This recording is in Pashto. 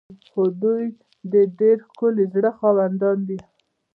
خو دوی د ډیر ښکلي زړه خاوندان دي.